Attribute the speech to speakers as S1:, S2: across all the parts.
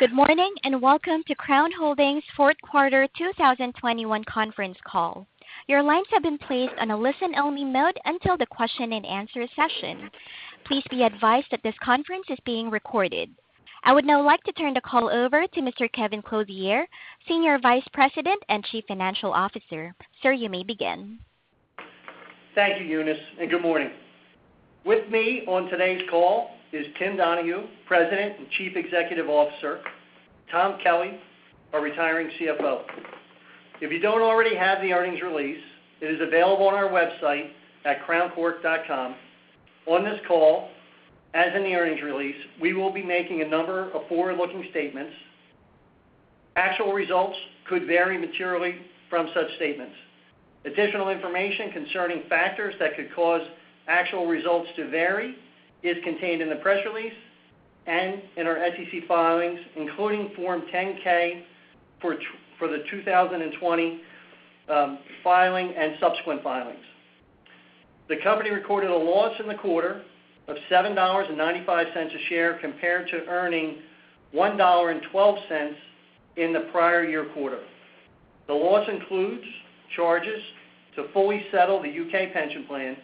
S1: Good morning, and welcome to Crown Holdings fourth quarter 2021 conference call. Your lines have been placed on a listen-only mode until the question-and-answer session. Please be advised that this conference is being recorded. I would now like to turn the call over to Mr. Kevin Clothier, Senior Vice President and Chief Financial Officer. Sir, you may begin.
S2: Thank you, Eunice, and good morning. With me on today's call is Tim Donahue, President and Chief Executive Officer, Tom Kelly, our retiring CFO. If you don't already have the earnings release, it is available on our website at crowncork.com. On this call, as in the earnings release, we will be making a number of forward-looking statements. Actual results could vary materially from such statements. Additional information concerning factors that could cause actual results to vary is contained in the press release and in our SEC filings, including Form 10-K for the 2020 filing and subsequent filings. The company recorded a loss in the quarter of $7.95 a share compared to earnings $1.12 in the prior year quarter. The loss includes charges to fully settle the U.K. pension plan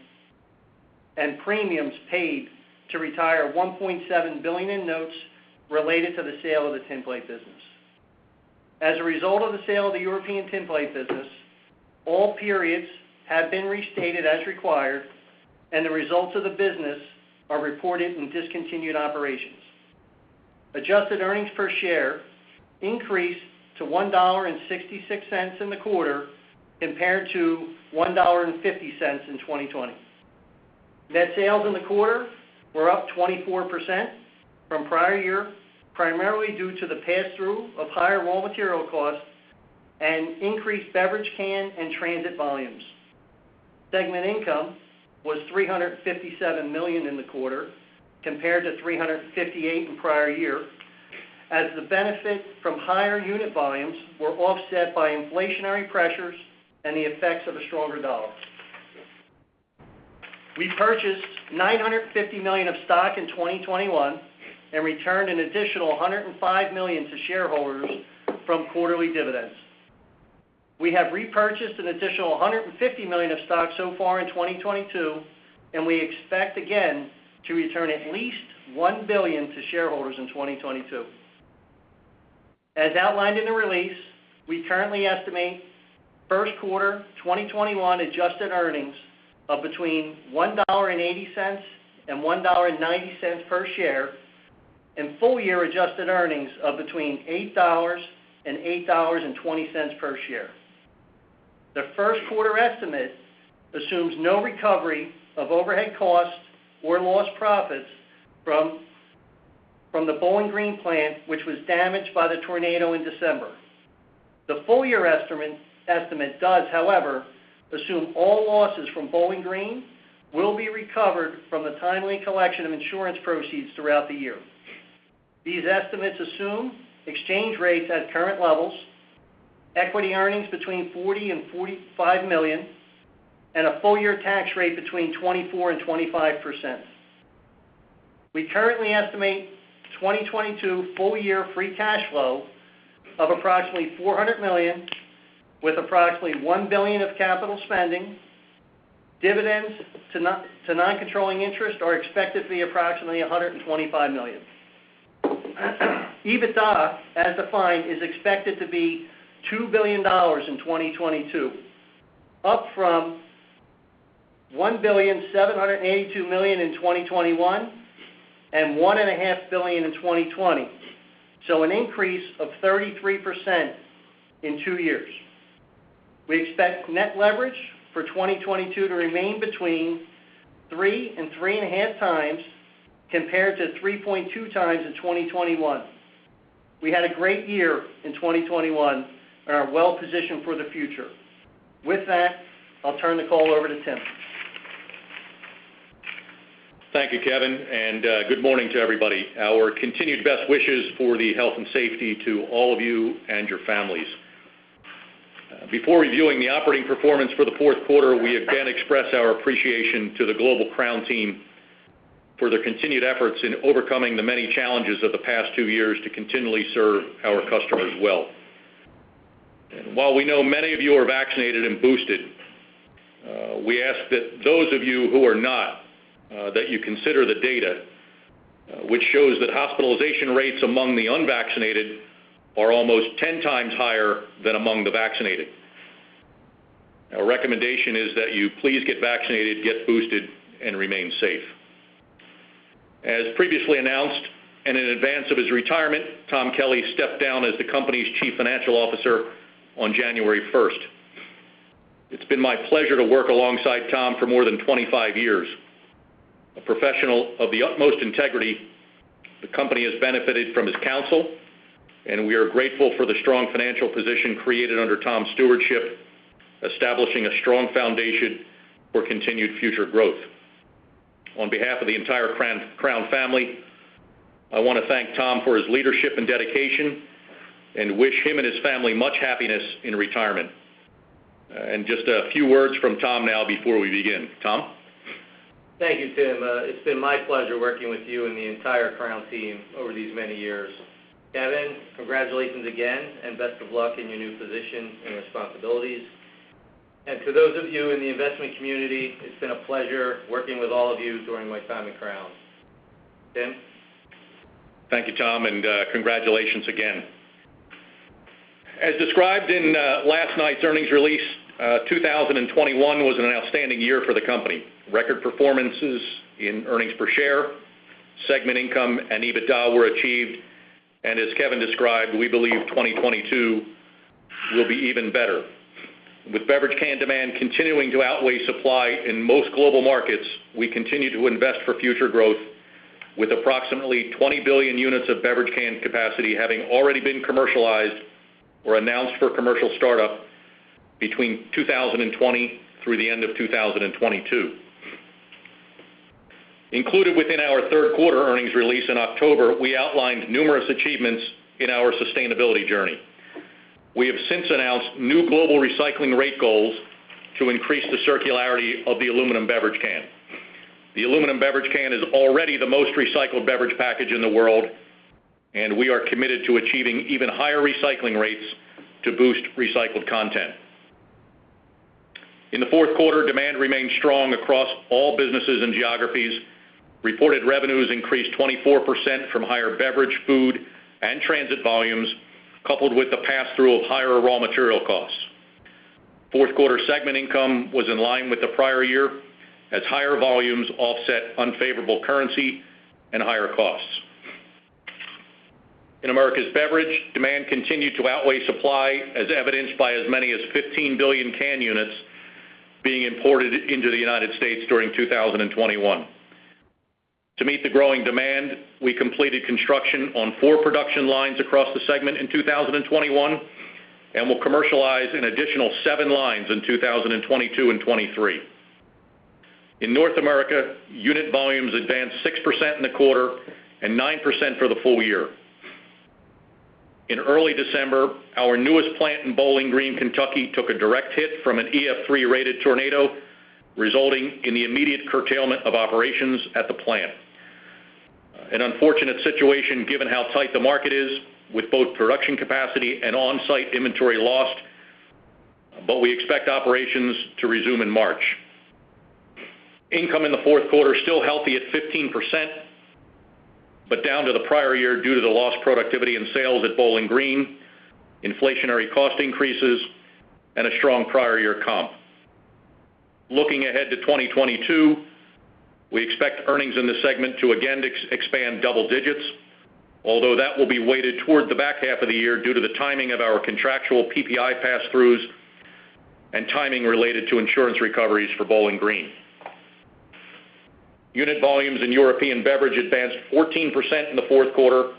S2: and premiums paid to retire $1.7 billion in notes related to the sale of the Tinplate business. As a result of the sale of the European Tinplate business, all periods have been restated as required, and the results of the business are reported in discontinued operations. Adjusted earnings per share increased to $1.66 in the quarter compared to $1.50 in 2020. Net sales in the quarter were up 24% from prior year, primarily due to the pass-through of higher raw material costs and increased beverage can and transit volumes. Segment income was $357 million in the quarter, compared to $358 million in prior year, as the benefit from higher unit volumes were offset by inflationary pressures and the effects of a stronger dollar. We purchased $950 million of stock in 2021 and returned an additional $105 million to shareholders from quarterly dividends. We have repurchased an additional $150 million of stock so far in 2022, and we expect again to return at least $1 billion to shareholders in 2022. As outlined in the release, we currently estimate first quarter 2021 adjusted earnings of between $1.80 and $1.90 per share, and full-year adjusted earnings of between $8 and $8.20 per share. The first quarter estimate assumes no recovery of overhead costs or lost profits from the Bowling Green plant, which was damaged by the tornado in December. The full-year estimate does, however, assume all losses from Bowling Green will be recovered from the timely collection of insurance proceeds throughout the year. These estimates assume exchange rates at current levels, equity earnings between $40 million-$45 million, and a full-year tax rate between 24%-25%. We currently estimate 2022 full-year free cash flow of approximately $400 million, with approximately $1 billion of capital spending. Dividends to non-controlling interest are expected to be approximately $125 million. EBITDA, as defined, is expected to be $2 billion in 2022, up from $1.782 billion in 2021 and $1.5 billion in 2020. An increase of 33% in two years. We expect net leverage for 2022 to remain between 3x-3.5x, compared to 3.2x in 2021. We had a great year in 2021 and are well-positioned for the future. With that, I'll turn the call over to Tim.
S3: Thank you, Kevin, and good morning to everybody. Our continued best wishes for the health and safety to all of you and your families. Before reviewing the operating performance for the fourth quarter, we again express our appreciation to the global Crown team for their continued efforts in overcoming the many challenges of the past two years to continually serve our customers well. While we know many of you are vaccinated and boosted, we ask that those of you who are not that you consider the data which shows that hospitalization rates among the unvaccinated are almost 10x higher than among the vaccinated. Our recommendation is that you please get vaccinated, get boosted, and remain safe. As previously announced, and in advance of his retirement, Tom Kelly stepped down as the company's Chief Financial Officer on January 1st. It's been my pleasure to work alongside Tom for more than 25 years. A professional of the utmost integrity, the company has benefited from his counsel, and we are grateful for the strong financial position created under Tom's stewardship, establishing a strong foundation for continued future growth. On behalf of the entire Crown family, I want to thank Tom for his leadership and dedication and wish him and his family much happiness in retirement. Just a few words from Tom now before we begin. Tom?
S4: Thank you, Tim. It's been my pleasure working with you and the entire Crown team over these many years. Kevin, congratulations again, and best of luck in your new position and responsibilities. To those of you in the investment community, it's been a pleasure working with all of you during my time at Crown. Tim.
S3: Thank you, Tom, and, congratulations again. As described in, last night's earnings release, 2021 was an outstanding year for the company. Record performances in earnings per share, segment income, and EBITDA were achieved. As Kevin described, we believe 2022 will be even better. With beverage can demand continuing to outweigh supply in most global markets, we continue to invest for future growth with approximately 20 billion units of beverage can capacity having already been commercialized or announced for commercial startup between 2020 through the end of 2022. Included within our third quarter earnings release in October, we outlined numerous achievements in our sustainability journey. We have since announced new global recycling rate goals to increase the circularity of the aluminum beverage can. The aluminum beverage can is already the most recycled beverage package in the world, and we are committed to achieving even higher recycling rates to boost recycled content. In the fourth quarter, demand remained strong across all businesses and geographies. Reported revenues increased 24% from higher beverage, food, and transit volumes, coupled with the pass-through of higher raw material costs. Fourth quarter segment income was in line with the prior year as higher volumes offset unfavorable currency and higher costs. In Americas Beverage, demand continued to outweigh supply, as evidenced by as many as 15 billion can units being imported into the United States during 2021. To meet the growing demand, we completed construction on four production lines across the segment in 2021, and we'll commercialize an additional seven lines in 2022 and 2023. In North America, unit volumes advanced 6% in the quarter and 9% for the full year. In early December, our newest plant in Bowling Green, Kentucky, took a direct hit from an EF3-rated tornado, resulting in the immediate curtailment of operations at the plant. An unfortunate situation given how tight the market is with both production capacity and on-site inventory lost, but we expect operations to resume in March. Income in the fourth quarter still healthy at 15%, but down to the prior year due to the lost productivity and sales at Bowling Green, inflationary cost increases, and a strong prior year comp. Looking ahead to 2022, we expect earnings in this segment to again expand double digits, although that will be weighted toward the back half of the year due to the timing of our contractual PPI pass-throughs and timing related to insurance recoveries for Bowling Green. Unit volumes in European Beverage advanced 14% in the fourth quarter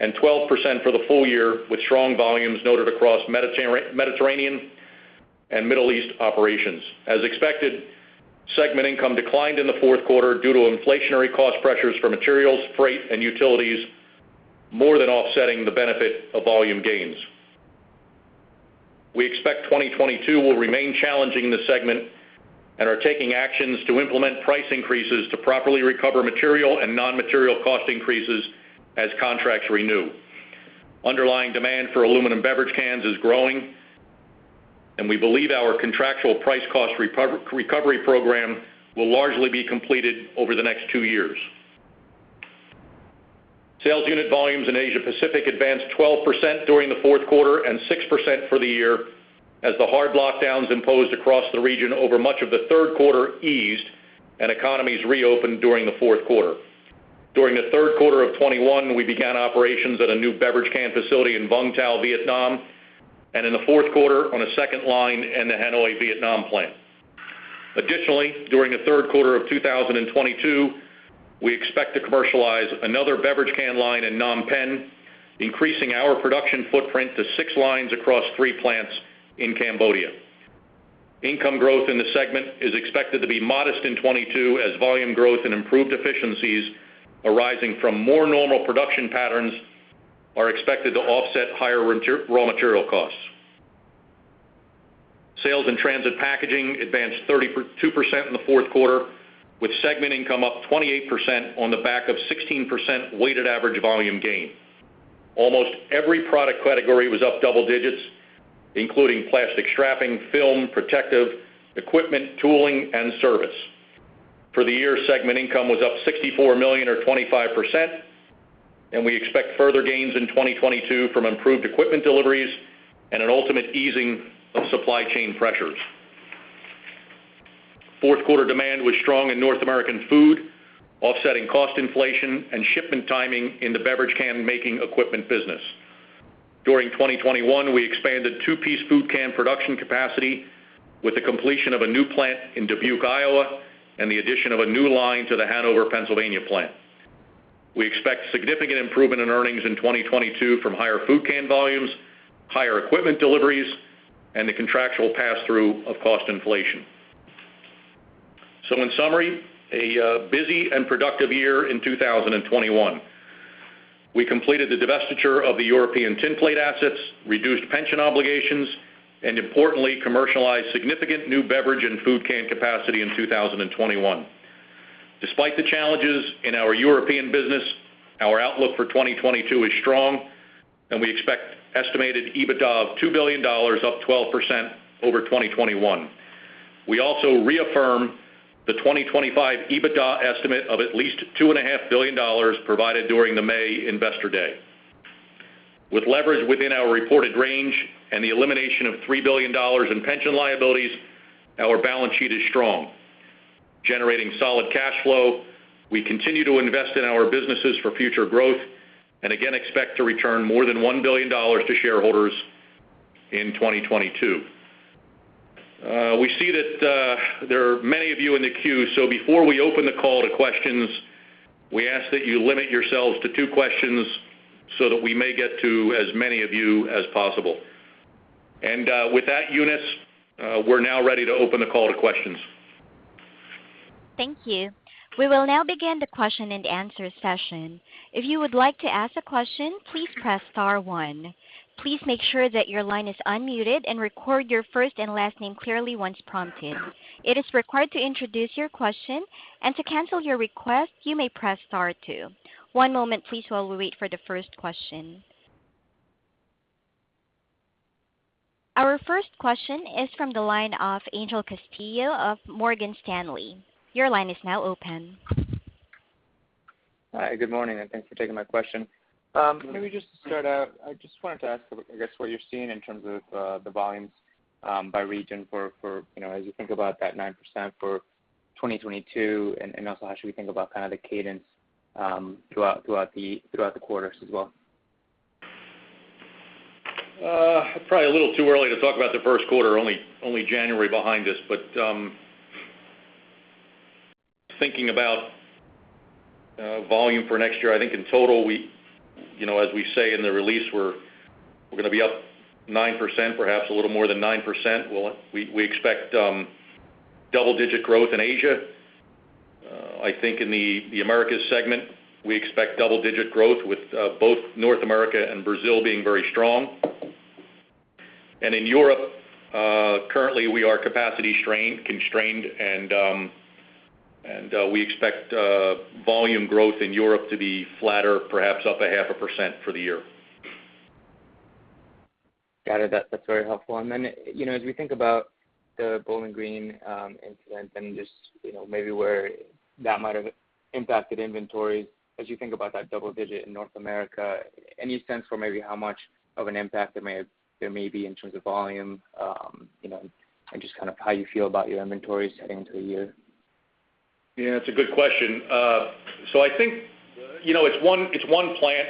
S3: and 12% for the full year, with strong volumes noted across Mediterranean and Middle East operations. As expected, segment income declined in the fourth quarter due to inflationary cost pressures for materials, freight, and utilities more than offsetting the benefit of volume gains. We expect 2022 will remain challenging in this segment and are taking actions to implement price increases to properly recover material and non-material cost increases as contracts renew. Underlying demand for aluminum beverage cans is growing, and we believe our contractual price cost recovery program will largely be completed over the next two years. Sales unit volumes in Asia Pacific advanced 12% during the fourth quarter and 6% for the year as the hard lockdowns imposed across the region over much of the third quarter eased and economies reopened during the fourth quarter. During the third quarter of 2021, we began operations at a new beverage can facility in Vung Tau, Vietnam, and in the fourth quarter on a second line in the Hanoi, Vietnam plant. Additionally, during the third quarter of 2022, we expect to commercialize another beverage can line in Phnom Penh, increasing our production footprint to six lines across three plants in Cambodia. Income growth in this segment is expected to be modest in 2022 as volume growth and improved efficiencies arising from more normal production patterns are expected to offset higher raw material costs. Sales in Transit Packaging advanced 32% in the fourth quarter, with segment income up 28% on the back of 16% weighted average volume gain. Almost every product category was up double digits, including plastic strapping, film, protective equipment, tooling, and service. For the year, segment income was up $64 million or 25%, and we expect further gains in 2022 from improved equipment deliveries and an ultimate easing of supply chain pressures. Fourth quarter demand was strong in North American food, offsetting cost inflation and shipment timing in the beverage can making equipment business. During 2021, we expanded two-piece food can production capacity with the completion of a new plant in Dubuque, Iowa, and the addition of a new line to the Hanover, Pennsylvania plant. We expect significant improvement in earnings in 2022 from higher food can volumes, higher equipment deliveries, and the contractual pass-through of cost inflation. In summary, a busy and productive year in 2021. We completed the divestiture of the European Tinplate assets, reduced pension obligations, and importantly, commercialized significant new beverage and food can capacity in 2021. Despite the challenges in our European business, our outlook for 2022 is strong, and we expect estimated EBITDA of $2 billion, up 12% over 2021. We also reaffirm the 2025 EBITDA estimate of at least $2.5 billion provided during the May Investor Day. With leverage within our reported range and the elimination of $3 billion in pension liabilities, our balance sheet is strong. Generating solid cash flow, we continue to invest in our businesses for future growth and again expect to return more than $1 billion to shareholders in 2022. We see that there are many of you in the queue, so before we open the call to questions, we ask that you limit yourselves to two questions so that we may get to as many of you as possible. With that, Eunice, we're now ready to open the call to questions.
S1: Thank you. We will now begin the question and answer session. One moment, please, while we wait for the first question. Our first question is from the line of Angel Castillo of Morgan Stanley. Your line is now open.
S5: Hi, good morning, and thanks for taking my question. Maybe just to start out, I just wanted to ask, I guess, what you're seeing in terms of the volumes by region for, you know, as you think about that 9% for 2022, and also how should we think about kind of the cadence throughout the quarters as well.
S3: Probably a little too early to talk about the first quarter, only January behind us. Thinking about volume for next year, I think in total, we, you know, as we say in the release, we're gonna be up 9%, perhaps a little more than 9%. We expect double digit growth in Asia. I think in the Americas segment, we expect double digit growth with both North America and Brazil being very strong. In Europe, currently we are capacity constrained, and we expect volume growth in Europe to be flatter, perhaps up 0.5% for the year.
S5: Got it. That's very helpful. You know, as we think about the Bowling Green incident and just, you know, maybe where that might have impacted inventory, as you think about that double-digit in North America, any sense for maybe how much of an impact there may be in terms of volume, you know, and just kind of how you feel about your inventory heading into the year?
S3: Yeah, it's a good question. So I think, you know, it's one plant.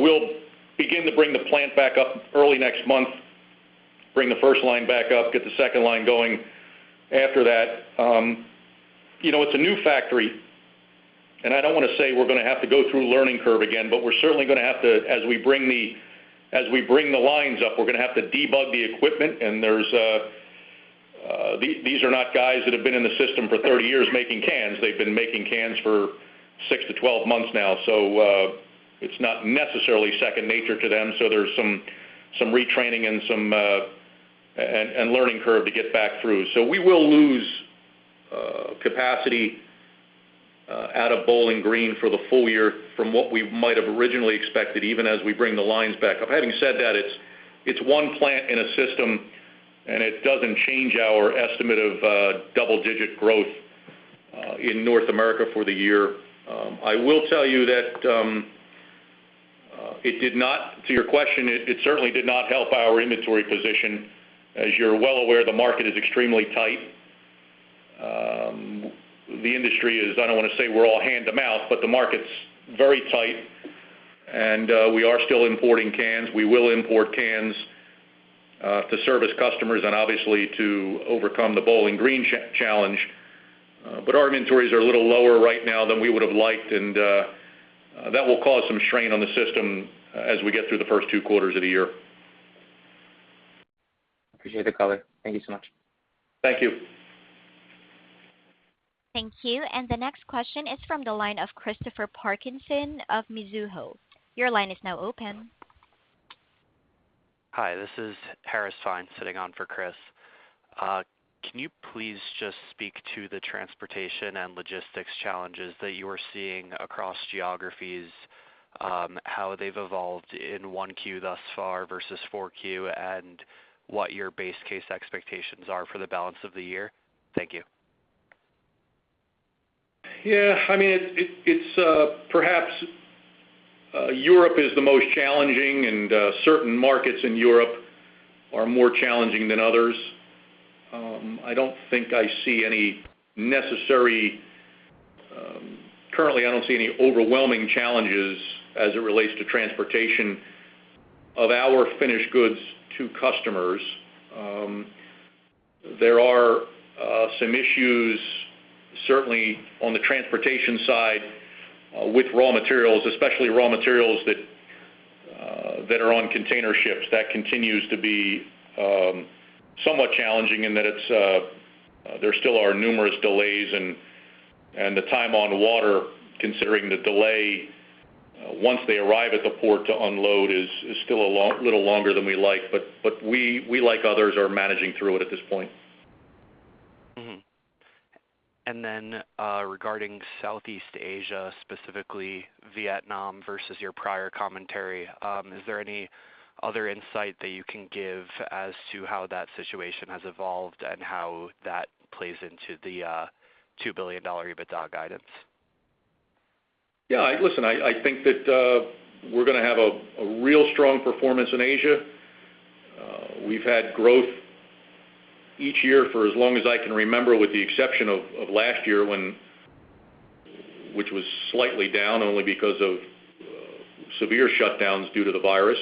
S3: We'll begin to bring the plant back up early next month, bring the first line back up, get the second line going after that. You know, it's a new factory, and I don't wanna say we're gonna have to go through learning curve again, but we're certainly gonna have to as we bring the lines up, we're gonna have to debug the equipment, and these are not guys that have been in the system for 30 years making cans. They've been making cans for six to 12 months now. So it's not necessarily second nature to them. So there's some retraining and some learning curve to get back through. We will lose capacity out of Bowling Green for the full year from what we might have originally expected, even as we bring the lines back up. Having said that, it's one plant in a system, and it doesn't change our estimate of double-digit growth in North America for the year. I will tell you that. To your question, it certainly did not help our inventory position. As you're well aware, the market is extremely tight. The industry is, I don't wanna say we're all hand to mouth, but the market's very tight and we are still importing cans. We will import cans to service customers and obviously to overcome the Bowling Green challenge. Our inventories are a little lower right now than we would have liked, and that will cause some strain on the system as we get through the first two quarters of the year.
S5: Appreciate the color. Thank you so much.
S3: Thank you.
S1: Thank you. The next question is from the line of Christopher Parkinson of Mizuho. Your line is now open.
S6: Hi, this is Harris Fein sitting in for Chris. Can you please just speak to the transportation and logistics challenges that you are seeing across geographies, how they've evolved in 1Q thus far versus 4Q, and what your base case expectations are for the balance of the year? Thank you.
S3: Yeah, I mean, it's perhaps Europe is the most challenging, and certain markets in Europe are more challenging than others. I don't think I see any necessary. Currently, I don't see any overwhelming challenges as it relates to transportation of our finished goods to customers. There are some issues certainly on the transportation side with raw materials, especially raw materials that are on container ships. That continues to be somewhat challenging in that it's there still are numerous delays, and the time on water considering the delay once they arrive at the port to unload is still a little longer than we like. We, like others, are managing through it at this point.
S6: Regarding Southeast Asia, specifically Vietnam versus your prior commentary, is there any other insight that you can give as to how that situation has evolved and how that plays into the $2 billion EBITDA guidance?
S3: Yeah. Listen, I think that we're gonna have a real strong performance in Asia. We've had growth each year for as long as I can remember, with the exception of last year which was slightly down only because of severe shutdowns due to the virus.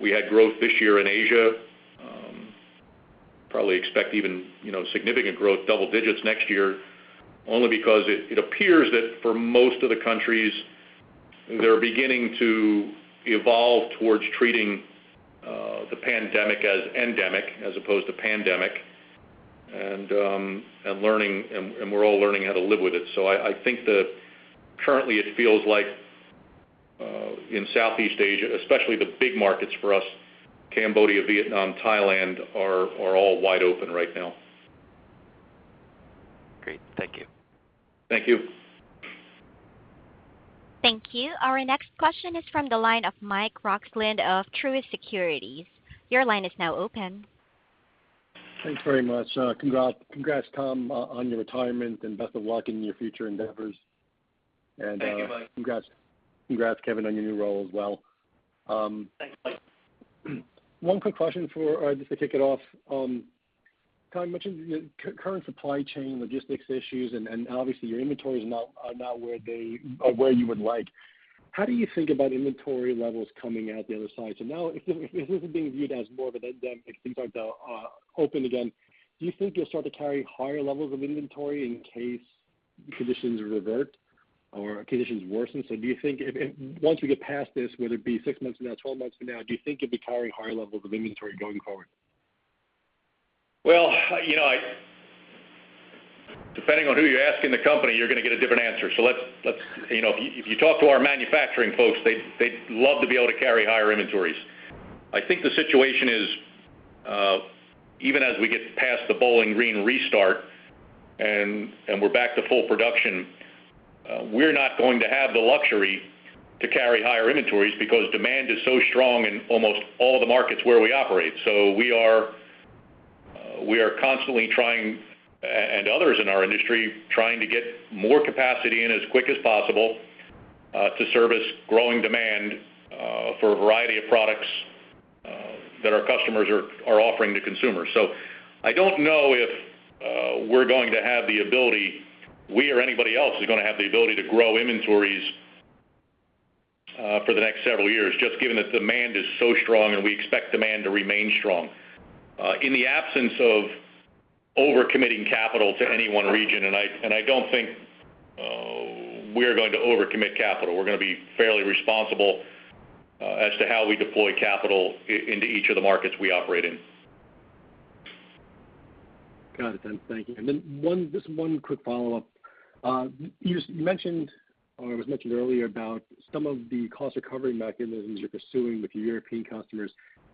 S3: We had growth this year in Asia. We probably expect even, you know, significant growth, double digits next year. Only because it appears that for most of the countries, they're beginning to evolve towards treating the pandemic as endemic as opposed to pandemic and we're all learning how to live with it. I think that currently it feels like in Southeast Asia, especially the big markets for us, Cambodia, Vietnam, Thailand, are all wide open right now.
S6: Great. Thank you.
S3: Thank you.
S1: Thank you. Our next question is from the line of Mike Roxland of Truist Securities. Your line is now open.
S7: Thanks very much. Congrats, Tom, on your retirement, and best of luck in your future endeavors.
S4: Thank you, Mike.
S7: Congrats, Kevin, on your new role as well.
S2: Thanks, Mike.
S7: One quick question, just to kick it off. Tom, between the current supply chain logistics issues and obviously your inventories are not where you would like, how do you think about inventory levels coming out the other side? Now if this is being viewed as more of an endemic, things aren't open again, do you think you'll start to carry higher levels of inventory in case conditions revert or conditions worsen? Do you think if once we get past this, whether it be six months from now, 12 months from now, do you think you'll be carrying higher levels of inventory going forward?
S4: Well, you know, depending on who you ask in the company, you're gonna get a different answer. Let's, you know, if you talk to our manufacturing folks, they'd love to be able to carry higher inventories.
S3: I think the situation is, even as we get past the Bowling Green restart and we're back to full production, we're not going to have the luxury to carry higher inventories because demand is so strong in almost all the markets where we operate. We are constantly trying, and others in our industry, trying to get more capacity in as quick as possible, to service growing demand, for a variety of products, that our customers are offering to consumers. I don't know if we or anybody else is gonna have the ability to grow inventories for the next several years, just given that demand is so strong and we expect demand to remain strong. In the absence of over-committing capital to any one region, and I don't think we're going to overcommit capital. We're gonna be fairly responsible as to how we deploy capital into each of the markets we operate in.
S7: Got it. Thank you. One, just one quick follow-up. You just mentioned or it was mentioned earlier about some of the cost recovery mechanisms you're pursuing with your European customers.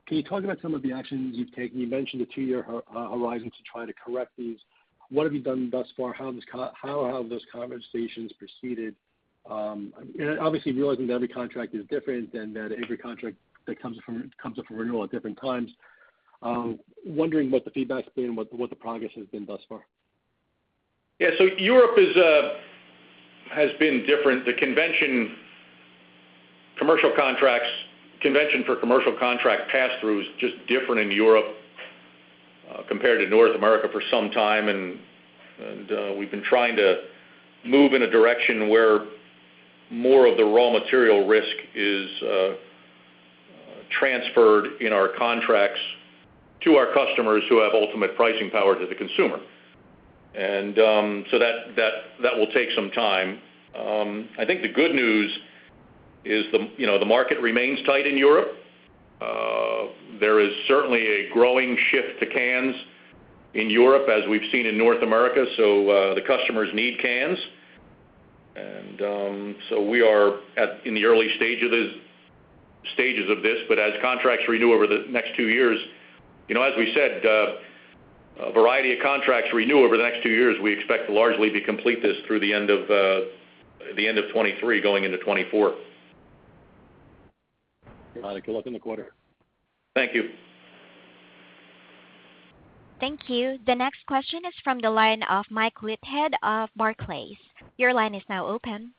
S7: Can you talk about some of the actions you've taken? You mentioned a two-year horizon to try to correct these. What have you done thus far? How have those conversations proceeded? And obviously realizing that every contract is different and that every contract comes up for renewal at different times, wondering what the feedback's been, what the progress has been thus far.
S3: Yeah. Europe has been different. The convention for commercial contract pass-through is just different in Europe compared to North America for some time. We've been trying to move in a direction where more of the raw material risk is transferred in our contracts to our customers who have ultimate pricing power to the consumer. That will take some time. I think the good news is, you know, the market remains tight in Europe. There is certainly a growing shift to cans in Europe, as we've seen in North America. The customers need cans. We are in the early stages of this. As contracts renew over the next two years, you know, as we said, a variety of contracts renew over the next two years. We expect largely to complete this through the end of 2023, going into 2024.
S7: Got it. Good luck in the quarter.
S3: Thank you.
S1: Thank you. The next question is from the line of Michael Leithead of Barclays. Your line is now open.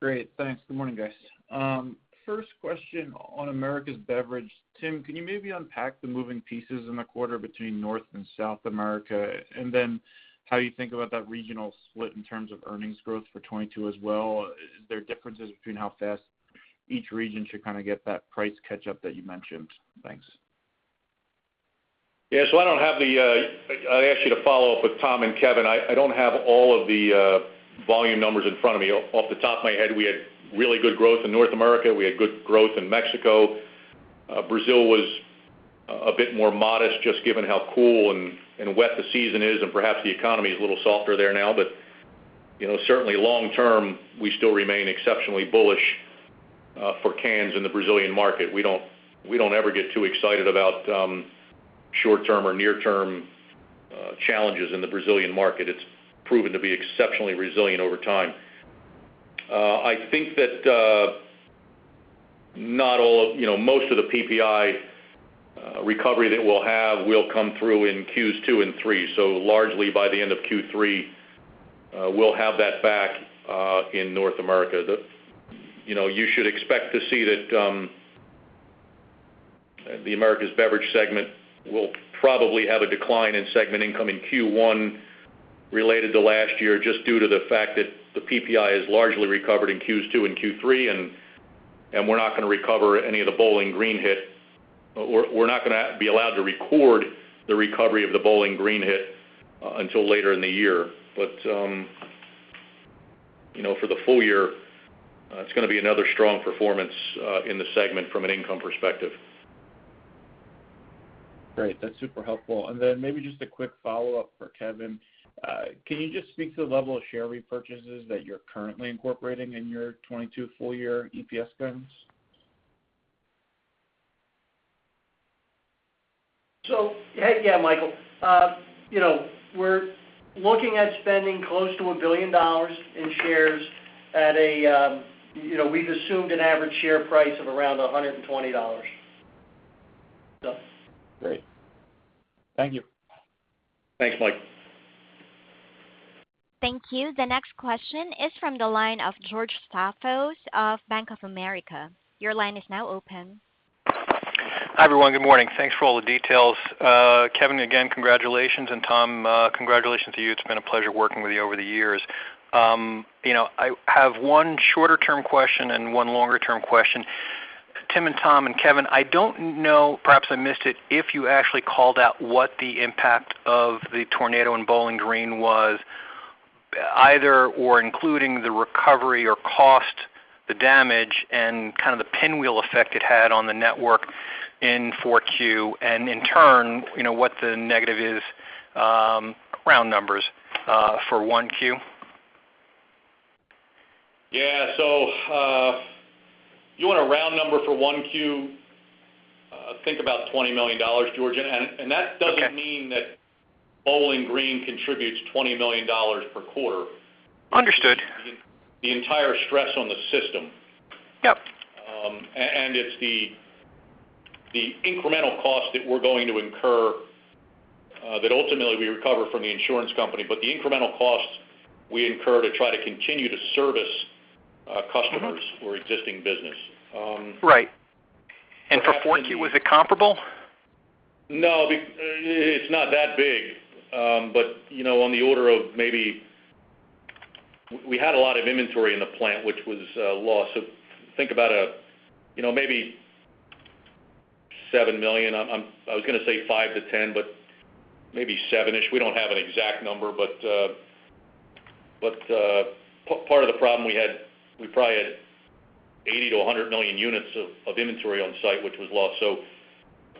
S8: Great. Thanks. Good morning, guys. First question on Americas Beverage. Tim, can you maybe unpack the moving pieces in the quarter between North and South America, and then how you think about that regional split in terms of earnings growth for 2022 as well? Is there differences between how fast each region should kind of get that price catch-up that you mentioned? Thanks.
S3: I don't have it. I'll ask you to follow up with Tom and Kevin. I don't have all of the volume numbers in front of me. Off the top of my head, we had really good growth in North America. We had good growth in Mexico. Brazil was a bit more modest, just given how cool and wet the season is, and perhaps the economy is a little softer there now. You know, certainly long term, we still remain exceptionally bullish for cans in the Brazilian market. We don't ever get too excited about short-term or near-term challenges in the Brazilian market. It's proven to be exceptionally resilient over time. I think that you know, most of the PPI recovery that we'll have will come through in Q2 and Q3. Largely by the end of Q3, we'll have that back in North America. You know, you should expect to see that the Americas Beverage segment will probably have a decline in segment income in Q1 related to last year, just due to the fact that the PPI is largely recovered in Q2 and Q3, and we're not gonna recover any of the Bowling Green hit. We're not gonna be allowed to record the recovery of the Bowling Green hit until later in the year. You know, for the full year, it's gonna be another strong performance in the segment from an income perspective.
S8: Great. That's super helpful. Maybe just a quick follow-up for Kevin. Can you just speak to the level of share repurchases that you're currently incorporating in your 2022 full year EPS trends?
S2: Yeah, Michael. You know, we're looking at spending close to $1 billion in shares at a, you know, we've assumed an average share price of around $120.
S8: Great. Thank you.
S3: Thanks, Mike.
S1: Thank you. The next question is from the line of George Staphos of Bank of America. Your line is now open.
S9: Hi, everyone. Good morning. Thanks for all the details. Kevin, again, congratulations. Tom, congratulations to you. It's been a pleasure working with you over the years. You know, I have one shorter-term question and one longer-term question. Tim and Tom and Kevin, I don't know, perhaps I missed it, if you actually called out what the impact of the tornado in Bowling Green was either or including the recovery or cost, the damage, and kind of the pinwheel effect it had on the network in 4Q, and in turn, you know, what the negative is, round numbers, for 1Q.
S3: Yeah. You want a round number for 1Q, think about $20 million, George. That doesn't mean-
S9: Okay.
S3: that Bowling Green contributes $20 million per quarter.
S9: Understood.
S3: The entire stress on the system.
S9: Yep.
S3: It's the incremental cost that we're going to incur that ultimately we recover from the insurance company, but the incremental costs we incur to try to continue to service customers or existing business.
S9: Right. For 4Q, was it comparable?
S3: No, it's not that big, but you know, on the order of maybe $7 million. We had a lot of inventory in the plant, which was lost. Think about $7 million. I was gonna say $5 million-$10 million, but maybe 7-ish. We don't have an exact number, but part of the problem we had, we probably had 80million-100 million units of inventory on site, which was lost.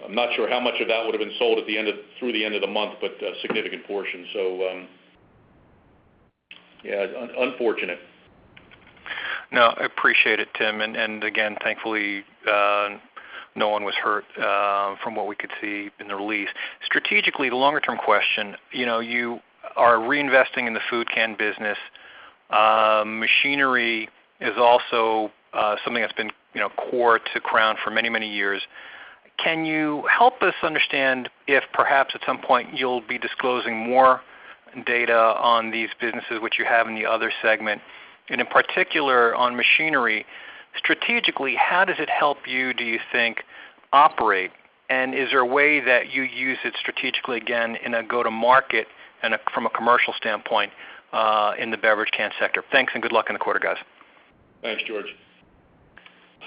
S3: I'm not sure how much of that would have been sold through the end of the month, but a significant portion. Yeah, unfortunate.
S9: No, I appreciate it, Tim. Again, thankfully, no one was hurt from what we could see in the release. Strategically, the longer-term question, you know, you are reinvesting in the food can business. Machinery is also something that's been, you know, core to Crown for many, many years. Can you help us understand if perhaps at some point you'll be disclosing more data on these businesses which you have in the other segment? In particular, on machinery, strategically, how does it help you, do you think, operate? Is there a way that you use it strategically again in a go-to-market from a commercial standpoint in the beverage can sector? Thanks, and good luck in the quarter, guys.
S3: Thanks, George.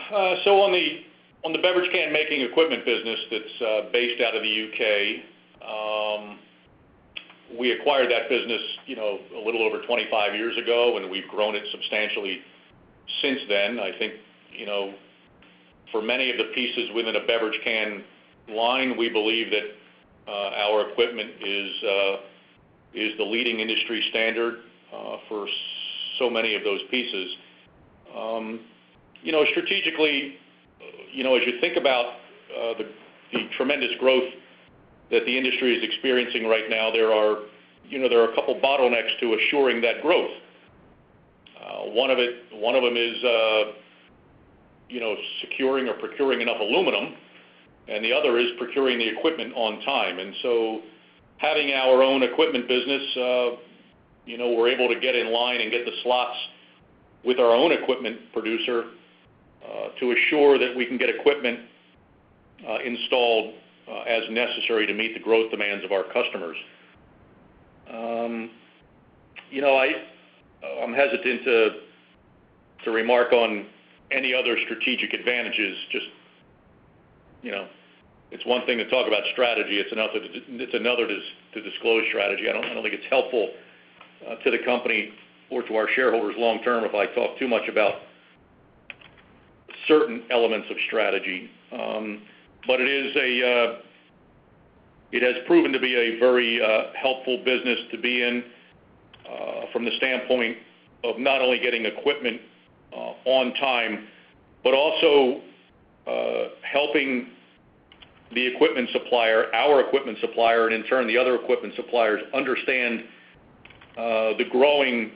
S3: So on the beverage can making equipment business that's based out of the U.K., we acquired that business, you know, a little over 25 years ago, and we've grown it substantially since then. I think, you know, for many of the pieces within a beverage can line, we believe that our equipment is the leading industry standard for so many of those pieces. You know, strategically, you know, as you think about the tremendous growth that the industry is experiencing right now, there are a couple bottlenecks to assuring that growth. One of them is securing or procuring enough aluminum, and the other is procuring the equipment on time. Having our own equipment business, you know, we're able to get in line and get the slots with our own equipment producer, to assure that we can get equipment, installed, as necessary to meet the growth demands of our customers. You know, I'm hesitant to remark on any other strategic advantages. Just, you know, it's one thing to talk about strategy. It's another to disclose strategy. I don't think it's helpful to the company or to our shareholders long term if I talk too much about certain elements of strategy. It has proven to be a very helpful business to be in, from the standpoint of not only getting equipment on time, but also helping the equipment supplier, our equipment supplier, and in turn, the other equipment suppliers understand the growing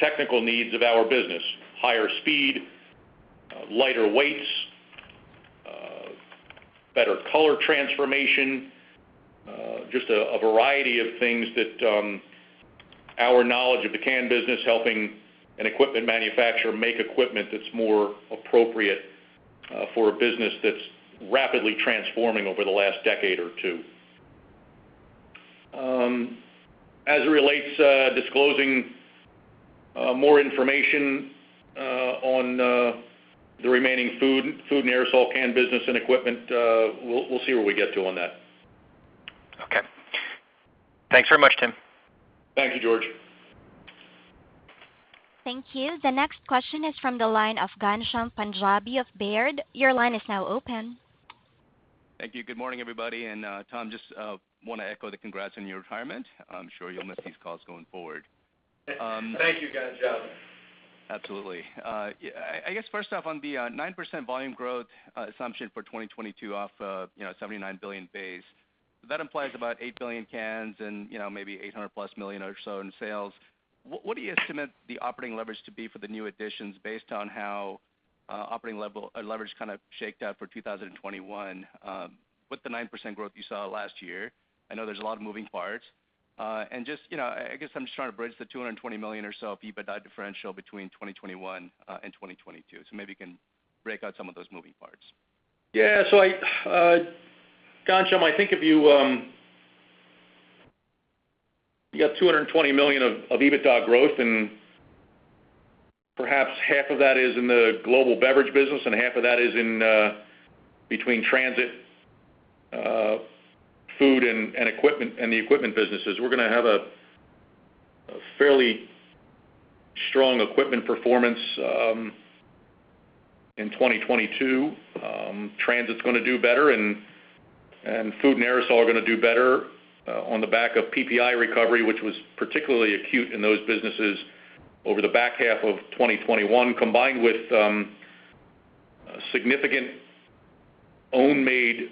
S3: technical needs of our business, higher speed, lighter weights, better color transformation, just a variety of things that our knowledge of the can business helping an equipment manufacturer make equipment that's more appropriate for a business that's rapidly transforming over the last decade or two. As it relates disclosing more information on the remaining food and aerosol can business and equipment, we'll see where we get to on that.
S9: Okay. Thanks very much, Tim.
S3: Thank you, George.
S1: Thank you. The next question is from the line of Ghansham Panjabi of Baird. Your line is now open.
S10: Thank you. Good morning, everybody. Tom, just wanna echo the congrats on your retirement. I'm sure you'll miss these calls going forward.
S4: Thank you, Ghansham.
S10: Absolutely. Yeah, I guess first off, on the 9% volume growth assumption for 2022 off, you know, 79 billion base, that implies about 8 billion cans and, you know, maybe $800+ million or so in sales. What do you estimate the operating leverage to be for the new additions based on how operating leverage kind of shook out for 2021 with the 9% growth you saw last year? I know there's a lot of moving parts. And just, you know, I guess I'm just trying to bridge the $220 million or so EBITDA differential between 2021 and 2022. Maybe you can break out some of those moving parts.
S3: Ghansham, I think if you got $220 million of EBITDA growth, and perhaps half of that is in the global beverage business, and half of that is in between transit, food and equipment, and the equipment businesses. We're gonna have a fairly strong equipment performance in 2022. Transit's gonna do better, and food and aerosol are gonna do better on the back of PPI recovery, which was particularly acute in those businesses over the back half of 2021, combined with significant own-made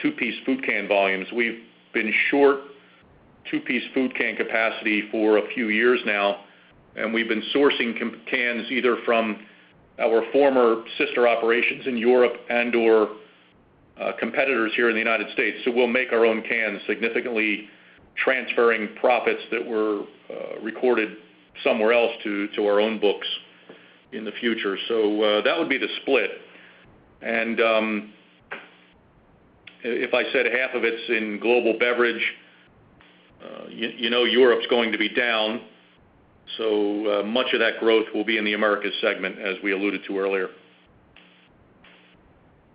S3: two-piece food can volumes. We've been short two-piece food can capacity for a few years now, and we've been sourcing cans either from our former sister operations in Europe and/or competitors here in the United States. We'll make our own cans, significantly transferring profits that were recorded somewhere else to our own books in the future. That would be the split. If I said half of it's in global beverage, you know Europe's going to be down, so much of that growth will be in the Americas segment, as we alluded to earlier.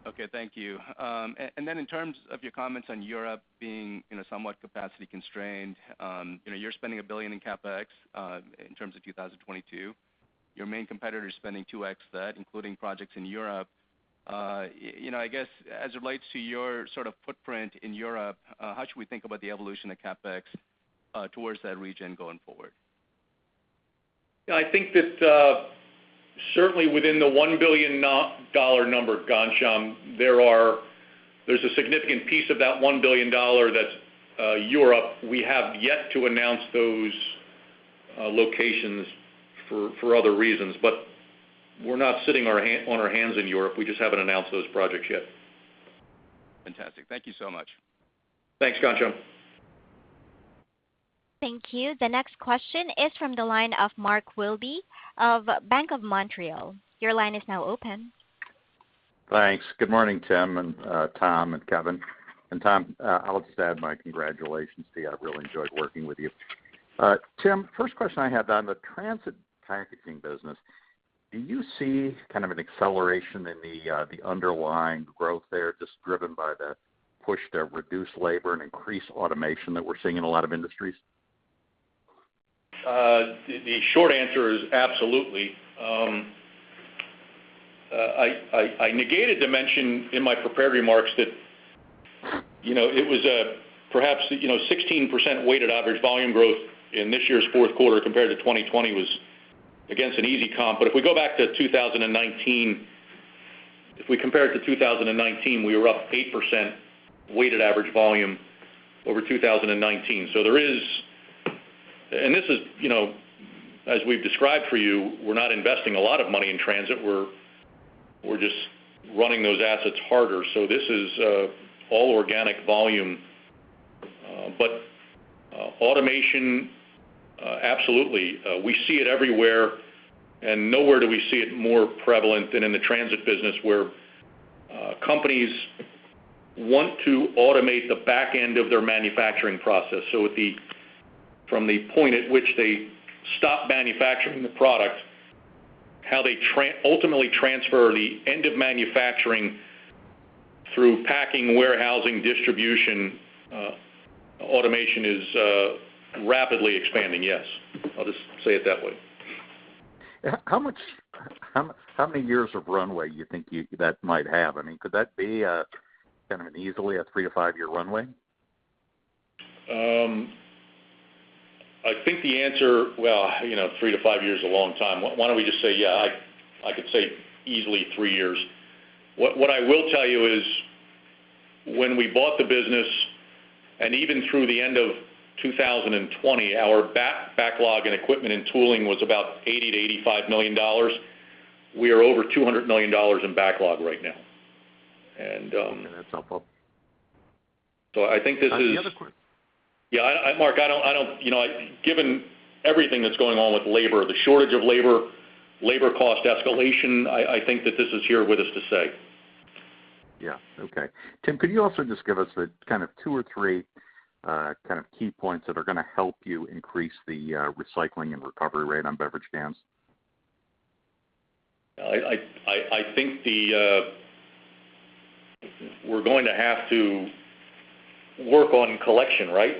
S10: Okay, thank you. Then in terms of your comments on Europe being, you know, somewhat capacity constrained, you know, you're spending $1 billion in CapEx in 2022. Your main competitor is spending 2x that, including projects in Europe. You know, I guess, as it relates to your sort of footprint in Europe, how should we think about the evolution of CapEx towards that region going forward?
S3: Yeah, I think that certainly within the $1 billion number, Ghansham, there's a significant piece of that $1 billion that's Europe. We have yet to announce those locations for other reasons. But we're not sitting on our hands in Europe. We just haven't announced those projects yet.
S10: Fantastic. Thank you so much.
S3: Thanks, Ghansham.
S1: Thank you. The next question is from the line of Mark Wilde of Bank of Montreal. Your line is now open.
S11: Thanks. Good morning, Tim and Tom and Kevin. Tom, I'll just add my congratulations to you. I've really enjoyed working with you. Tim, first question I have on the Transit Packaging business, do you see kind of an acceleration in the underlying growth there just driven by the push to reduce labor and increase automation that we're seeing in a lot of industries?
S3: The short answer is absolutely. I neglected to mention in my prepared remarks that it was perhaps 16% weighted average volume growth in this year's fourth quarter compared to 2020, which was against an easy comp. If we go back to 2019, if we compare it to 2019, we were up 8% weighted average volume over 2019. This is, you know, as we've described for you, we're not investing a lot of money in transit. We're just running those assets harder. This is all organic volume, but automation absolutely. We see it everywhere, and nowhere do we see it more prevalent than in the transit business where companies want to automate the back end of their manufacturing process. From the point at which they stop manufacturing the product, how they ultimately transfer the end of manufacturing through packing, warehousing, distribution, automation is rapidly expanding. I'll just say it that way.
S11: How many years of runway you think that might have? I mean, could that be a kind of an easily three to five year runway?
S3: I think the answer. Well, you know, three to five years is a long time. Why don't we just say, yeah, I could say easily three years. What I will tell you is when we bought the business, and even through the end of 2020, our backlog in equipment and tooling was about $80 million-$85 million. We are over $200 million in backlog right now.
S11: Yeah, that's helpful.
S3: So I think this is-
S11: The other question.
S3: Yeah. I, Mark, I don't. You know, given everything that's going on with labor, the shortage of labor cost escalation, I think that this is here with us to stay.
S11: Yeah. Okay. Tim, could you also just give us the, kind of, two or three, kind of, key points that are gonna help you increase the recycling and recovery rate on beverage cans?
S3: I think we're going to have to work on collection, right?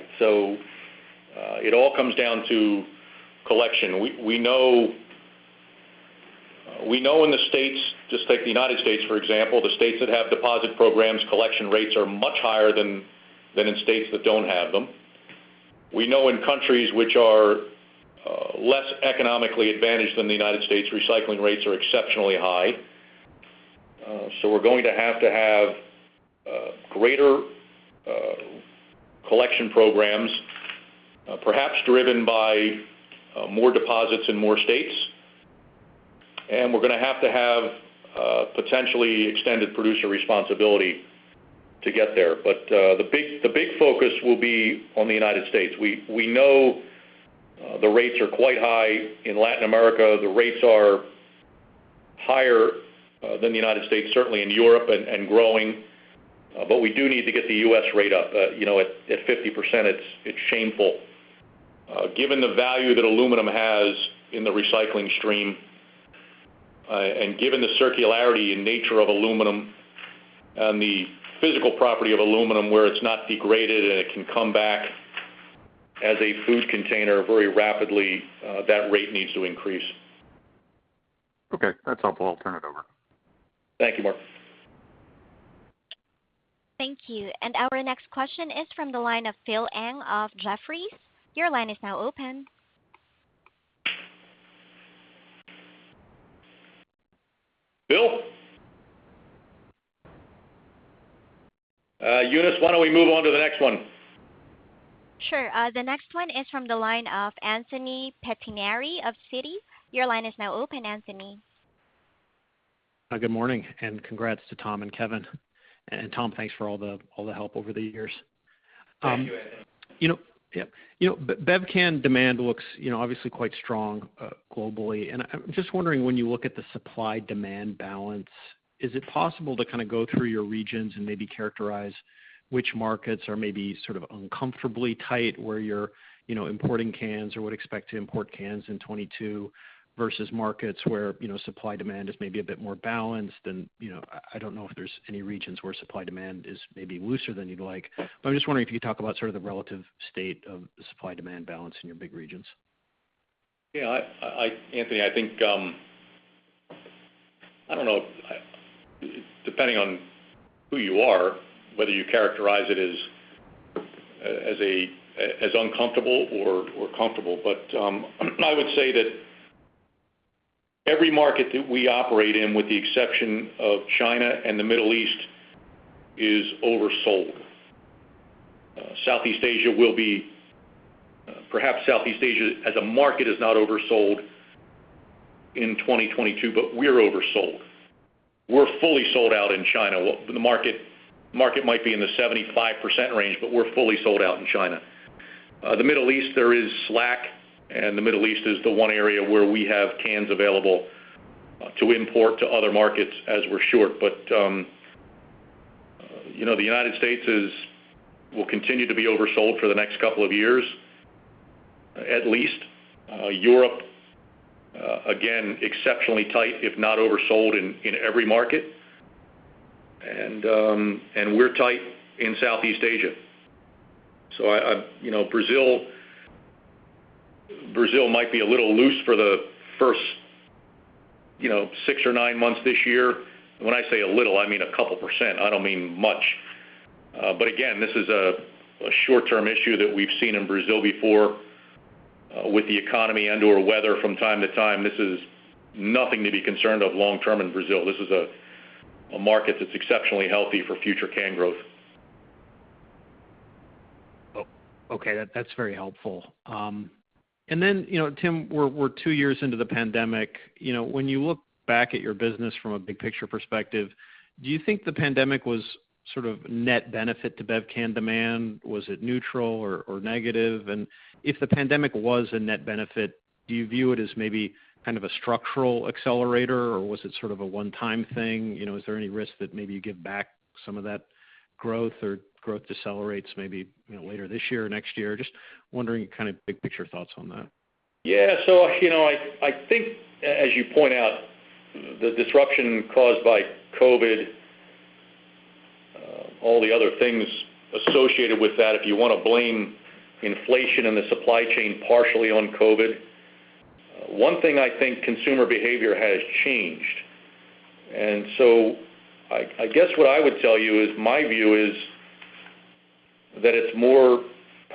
S3: It all comes down to collection. We know in the States, just take the United States, for example, the states that have deposit programs, collection rates are much higher than in states that don't have them. We know in countries which are less economically advantaged than the United States, recycling rates are exceptionally high. We're going to have to have greater collection programs, perhaps driven by more deposits in more states. We're gonna have to have potentially extended producer responsibility to get there. The big focus will be on the United States. We know the rates are quite high in Latin America. The rates are higher than the United States, certainly in Europe and growing. But we do need to get the U.S. rate up. You know, at 50%, it's shameful. Given the value that aluminum has in the recycling stream, and given the circularity and nature of aluminum and the physical property of aluminum, where it's not degraded and it can come back as a food container very rapidly, that rate needs to increase.
S11: Okay. That's helpful. I'll turn it over.
S3: Thank you, Mark.
S1: Thank you. Our next question is from the line of Phil Ng of Jefferies. Your line is now open.
S3: Phil? Eunice, why don't we move on to the next one?
S1: Sure. The next one is from the line of Anthony Pettinari of Citi. Your line is now open, Anthony.
S12: Good morning, and congrats to Tom and Kevin. Tom, thanks for all the help over the years.
S4: Thank you, Anthony.
S12: You know, bev can demand looks, you know, obviously quite strong globally. I'm just wondering, when you look at the supply-demand balance, is it possible to kind of go through your regions and maybe characterize which markets are maybe sort of uncomfortably tight where you're, you know, importing cans or would expect to import cans in 2022, versus markets where, you know, supply-demand is maybe a bit more balanced. You know, I don't know if there's any regions where supply-demand is maybe looser than you'd like. I'm just wondering if you could talk about sort of the relative state of the supply-demand balance in your big regions.
S3: Anthony, I think I don't know depending on who you are, whether you characterize it as uncomfortable or comfortable. I would say that every market that we operate in, with the exception of China and the Middle East, is oversold. Perhaps Southeast Asia as a market is not oversold in 2022, but we're oversold. We're fully sold out in China. Well, the market might be in the 75% range, but we're fully sold out in China. The Middle East, there is slack, and the Middle East is the one area where we have cans available to import to other markets as we're short. You know, the United States will continue to be oversold for the next couple of years, at least. Europe, again, exceptionally tight, if not oversold in every market. We're tight in Southeast Asia. You know, Brazil might be a little loose for the first, you know, six or nine months this year. When I say a little, I mean a couple%. I don't mean much. Again, this is a short-term issue that we've seen in Brazil before, with the economy and/or weather from time to time. This is nothing to be concerned of long term in Brazil. This is a market that's exceptionally healthy for future can growth.
S12: Okay. That's very helpful. Then, you know, Tim, we're two years into the pandemic. You know, when you look back at your business from a big picture perspective, do you think the pandemic was sort of net benefit to bev can demand, was it neutral or negative? If the pandemic was a net benefit, do you view it as maybe kind of a structural accelerator, or was it sort of a one-time thing? You know, is there any risk that maybe you give back some of that growth or growth decelerates maybe, you know, later this year or next year? Just wondering kind of big picture thoughts on that.
S3: Yeah. You know, I think as you point out, the disruption caused by COVID, all the other things associated with that, if you wanna blame inflation and the supply chain partially on COVID, one thing I think consumer behavior has changed. I guess what I would tell you is my view is that it's more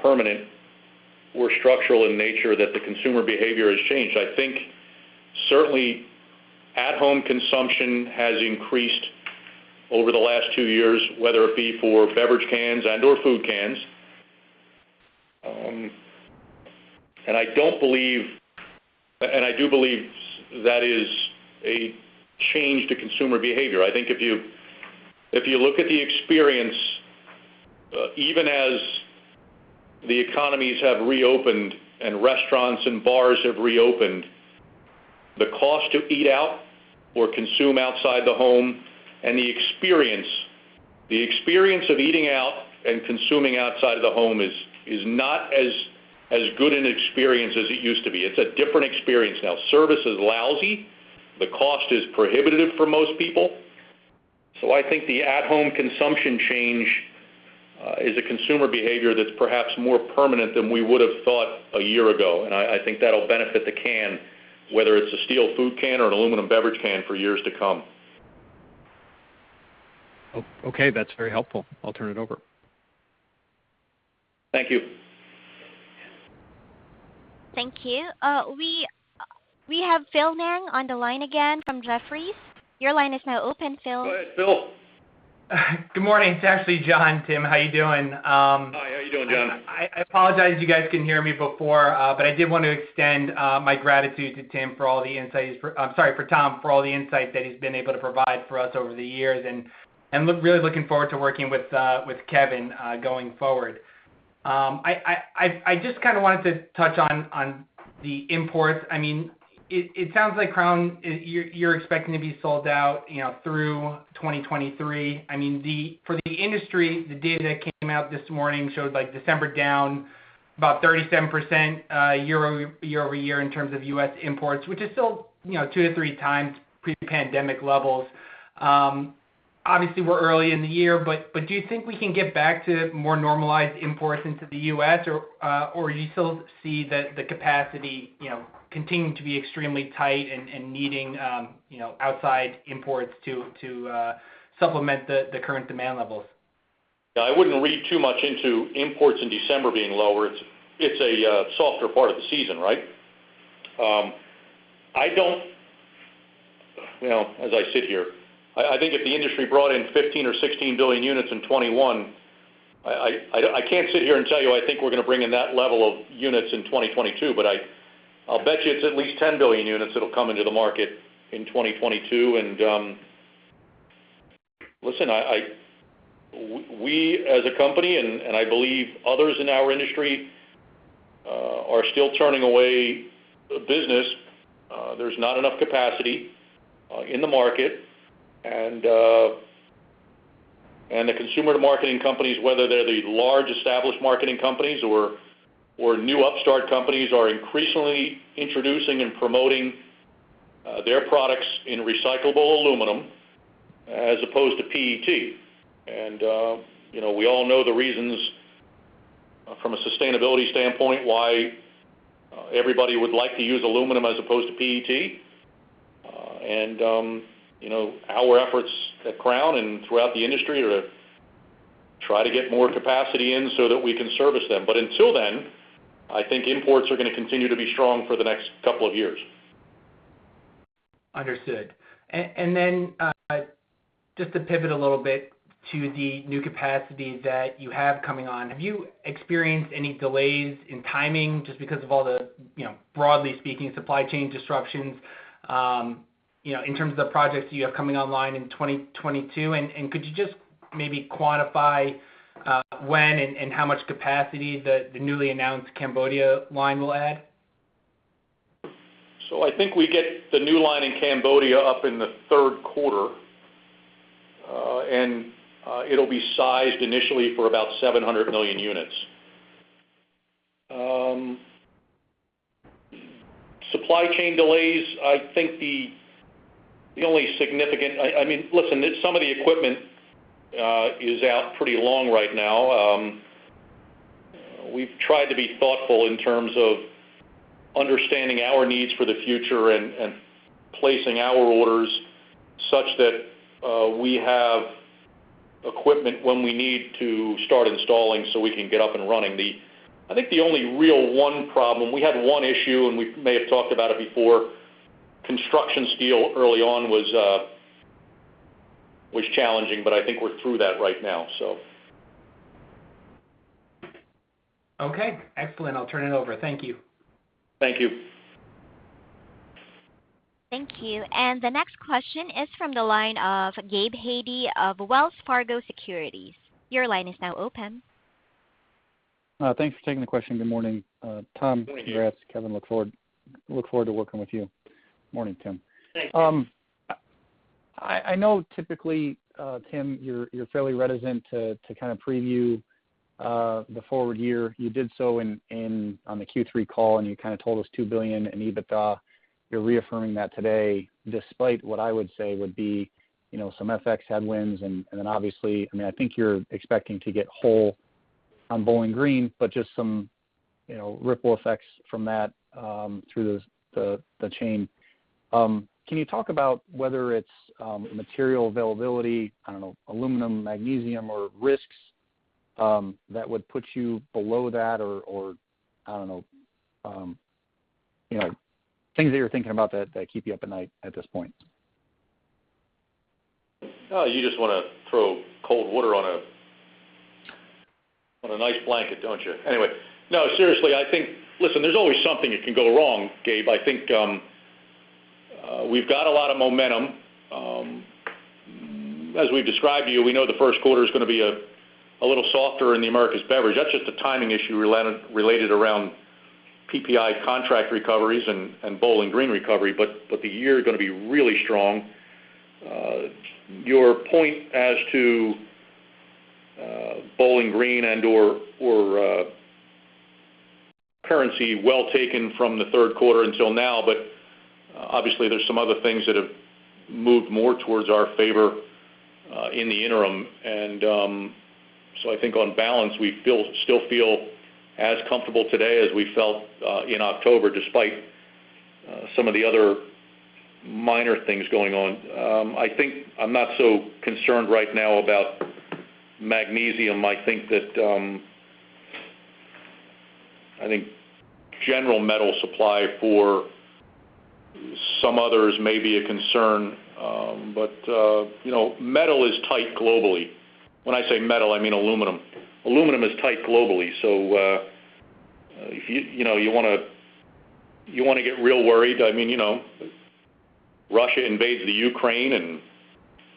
S3: permanent or structural in nature, that the consumer behavior has changed. I think certainly at home consumption has increased over the last two years, whether it be for beverage cans and/or food cans. I do believe that is a change to consumer behavior. I think if you look at the experience, even as the economies have reopened and restaurants and bars have reopened, the cost to eat out or consume outside the home and the experience of eating out and consuming outside of the home is not as good an experience as it used to be. It's a different experience now. Service is lousy. The cost is prohibitive for most people. I think the at home consumption change is a consumer behavior that's perhaps more permanent than we would've thought a year ago. I think that'll benefit the can, whether it's a steel food can or an aluminum beverage can for years to come.
S12: Okay. That's very helpful. I'll turn it over.
S3: Thank you.
S1: Thank you. We have Philip Ng on the line again from Jefferies. Your line is now open, Philip.
S3: Go ahead, Phil.
S13: Good morning. It's actually John, Tim. How you doing?
S3: Hi. How are you doing, John?
S13: I apologize you guys couldn't hear me before, but I did want to extend my gratitude to Tim for all the insights. I'm sorry, for Tom, for all the insights that he's been able to provide for us over the years and really looking forward to working with Kevin going forward. I just kinda wanted to touch on the imports. I mean, it sounds like Crown, you're expecting to be sold out, you know, through 2023. I mean, for the industry, the data that came out this morning showed like December down about 37% year-over-year in terms of U.S. imports, which is still, you know, 2x to 3x pre-pandemic levels. Obviously we're early in the year, but do you think we can get back to more normalized imports into the U.S. or you still see the capacity, you know, continuing to be extremely tight and needing, you know, outside imports to supplement the current demand levels?
S3: Yeah. I wouldn't read too much into imports in December being lower. It's a softer part of the season, right? I don't, you know, as I sit here, I think if the industry brought in 15 billion or 16 billion units in 2021, I can't sit here and tell you I think we're gonna bring in that level of units in 2022, but I'll bet you it's at least 10 billion units that'll come into the market in 2022. Listen, we as a company and I believe others in our industry are still turning away business. There's not enough capacity in the market. The consumer to marketing companies, whether they're the large established marketing companies or new upstart companies, are increasingly introducing and promoting their products in recyclable aluminum as opposed to PET. You know, we all know the reasons from a sustainability standpoint why everybody would like to use aluminum as opposed to PET. You know, our efforts at Crown and throughout the industry to try to get more capacity in so that we can service them. I think imports are gonna continue to be strong for the next couple of years.
S13: Understood. Just to pivot a little bit to the new capacity that you have coming on, have you experienced any delays in timing just because of all the, you know, broadly speaking, supply chain disruptions, you know, in terms of projects you have coming online in 2022? Could you just maybe quantify when and how much capacity the newly announced Cambodia line will add?
S3: I think we get the new line in Cambodia up in the third quarter, and it'll be sized initially for about 700 million units. Supply chain delays, I think the only significant. I mean, listen, some of the equipment is out pretty long right now. We've tried to be thoughtful in terms of understanding our needs for the future and placing our orders such that we have equipment when we need to start installing so we can get up and running. I think the only real one problem, we had one issue, and we may have talked about it before. Construction steel early on was challenging, but I think we're through that right now.
S13: Okay, excellent. I'll turn it over. Thank you.
S3: Thank you.
S1: Thank you. The next question is from the line of Gabe Hajde of Wells Fargo Securities. Your line is now open.
S14: Thanks for taking the question. Good morning, Tom.
S4: Good morning.
S14: Congrats. Kevin, look forward to working with you. Morning, Tim.
S3: Thanks, Gabe.
S14: I know typically, Tim, you're fairly reticent to kind of preview the forward year. You did so on the Q3 call, and you kind of told us $2 billion in EBITDA. You're reaffirming that today despite what I would say would be, you know, some FX headwinds. Obviously, I mean, I think you're expecting to get whole on Bowling Green, but just some, you know, ripple effects from that through the chain. Can you talk about whether it's material availability, I don't know, aluminum, magnesium or risks that would put you below that or I don't know, you know, things that you're thinking about that keep you up at night at this point?
S3: Oh, you just wanna throw cold water on a nice blanket, don't you? Anyway. No, seriously, I think. Listen, there's always something that can go wrong, Gabe. I think we've got a lot of momentum. As we've described to you, we know the first quarter is gonna be a little softer in the Americas Beverage. That's just a timing issue related around PPI contract recoveries and Bowling Green recovery, but the year is gonna be really strong. Your point as to Bowling Green and/or currency well taken from the third quarter until now. Obviously there's some other things that have moved more towards our favor in the interim. I think on balance, we still feel as comfortable today as we felt in October, despite some of the other minor things going on. I think I'm not so concerned right now about magnesium. I think general metal supply for some others may be a concern. You know, metal is tight globally. When I say metal, I mean aluminum. Aluminum is tight globally. If you wanna get real worried, I mean, you know, Russia invades the Ukraine, and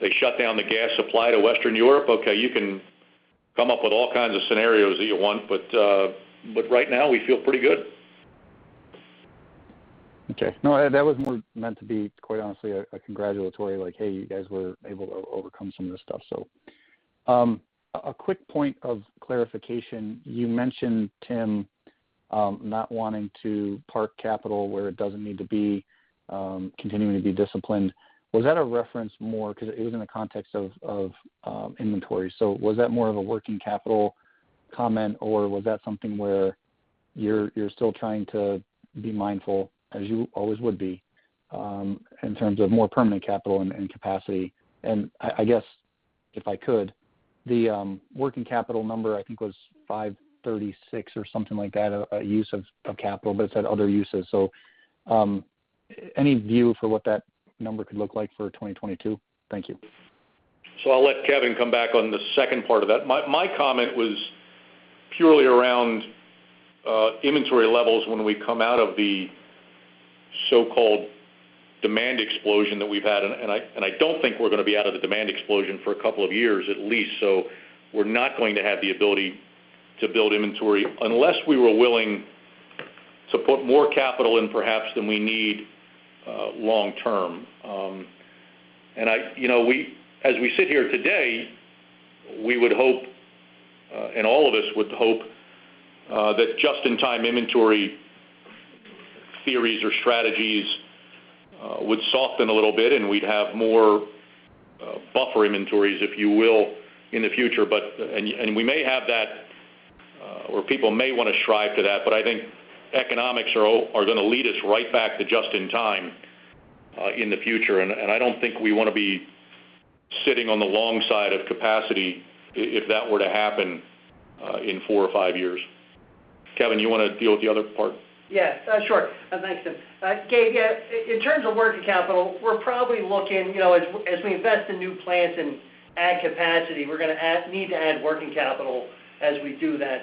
S3: they shut down the gas supply to Western Europe. Okay, you can come up with all kinds of scenarios that you want, but right now we feel pretty good.
S14: No, that was more meant to be, quite honestly, a congratulatory, like, Hey, you guys were able to overcome some of this stuff. A quick point of clarification. You mentioned, Tim, not wanting to park capital where it doesn't need to be, continuing to be disciplined. Was that a reference more? 'Cause it was in the context of inventory. Was that more of a working capital comment, or was that something where you're still trying to be mindful, as you always would be, in terms of more permanent capital and capacity? I guess, if I could, the working capital number I think was $536 million or something like that, use of capital, but it's had other uses. Any view for what that number could look like for 2022? Thank you.
S3: I'll let Kevin come back on the second part of that. My comment was purely around inventory levels when we come out of the so-called demand explosion that we've had. I don't think we're gonna be out of the demand explosion for a couple of years, at least. We're not going to have the ability to build inventory unless we were willing to put more capital in perhaps than we need long term. You know, as we sit here today, we would hope, and all of us would hope, that just-in-time inventory theories or strategies would soften a little bit, and we'd have more buffer inventories, if you will, in the future. We may have that, or people may wanna strive to that, but I think economics are gonna lead us right back to just-in-time, in the future. I don't think we wanna be sitting on the long side of capacity if that were to happen, in four or five years. Kevin, you wanna deal with the other part?
S2: Yes. Sure. Thanks, Tim. Gabe, yeah, in terms of working capital, we're probably looking, you know, as we invest in new plants and add capacity, we're gonna need to add working capital as we do that.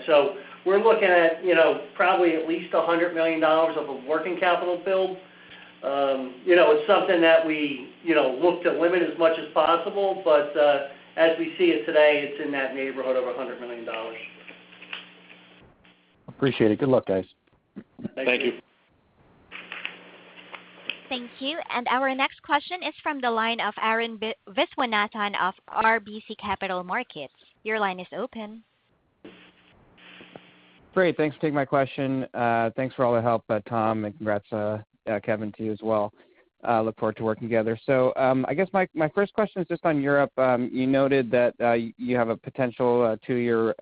S2: We're looking at, you know, probably at least $100 million of a working capital build. You know, it's something that we, you know, look to limit as much as possible, but as we see it today, it's in that neighborhood of $100 million.
S14: Appreciate it. Good luck, guys.
S3: Thank you.
S2: Thank you.
S1: Thank you. Our next question is from the line of Arun Viswanathan of RBC Capital Markets. Your line is open.
S15: Great. Thanks for taking my question. Thanks for all the help, Tom, and congrats, Kevin, to you as well. Look forward to working together. I guess my first question is just on Europe. You noted that you have a potential two-year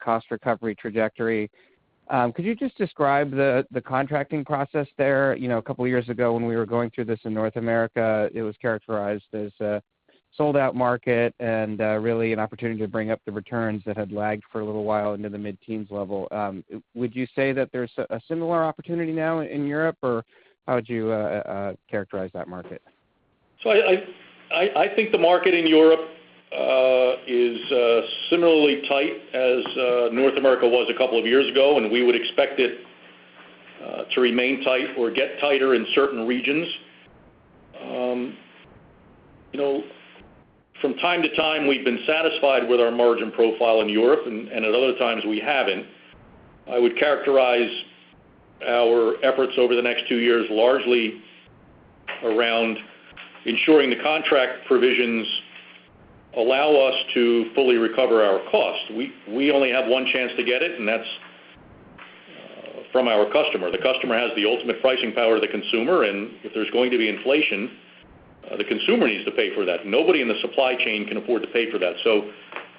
S15: cost recovery trajectory. Could you just describe the contracting process there? You know, a couple of years ago when we were going through this in North America, it was characterized as a sold-out market and really an opportunity to bring up the returns that had lagged for a little while into the mid-teens level. Would you say that there's a similar opportunity now in Europe, or how would you characterize that market?
S3: I think the market in Europe is similarly tight as North America was a couple of years ago, and we would expect it to remain tight or get tighter in certain regions. You know, from time to time, we've been satisfied with our margin profile in Europe, and at other times we haven't. I would characterize our efforts over the next two years largely around ensuring the contract provisions allow us to fully recover our costs. We only have one chance to get it, and that's from our customer. The customer has the ultimate pricing power of the consumer, and if there's going to be inflation, the consumer needs to pay for that. Nobody in the supply chain can afford to pay for that.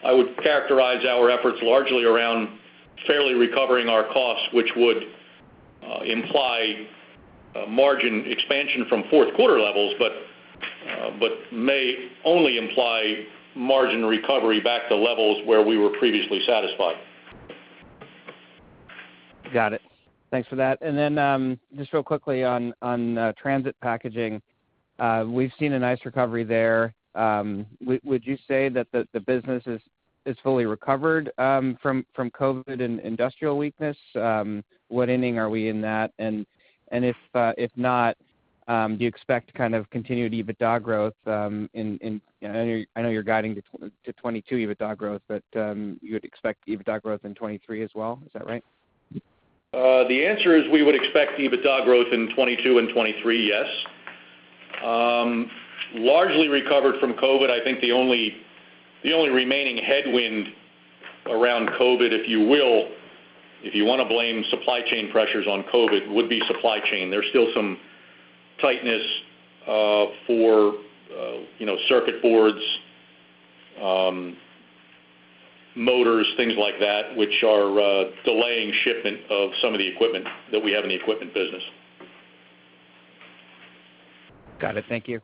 S3: I would characterize our efforts largely around fairly recovering our costs, which would imply a margin expansion from fourth quarter levels, but may only imply margin recovery back to levels where we were previously satisfied.
S15: Got it. Thanks for that. Just real quickly on Transit Packaging. We've seen a nice recovery there. Would you say that the business is fully recovered from COVID and industrial weakness? What inning are we in that? If not, do you expect kind of continued EBITDA growth? I know you're guiding to 2022 EBITDA growth, but you'd expect EBITDA growth in 2023 as well. Is that right?
S3: The answer is we would expect EBITDA growth in 2022 and 2023, yes. Largely recovered from COVID. I think the only remaining headwind around COVID, if you will, if you wanna blame supply chain pressures on COVID, would be supply chain. There's still some tightness for you know, circuit boards, motors, things like that, which are delaying shipment of some of the equipment that we have in the equipment business.
S15: Got it. Thank you.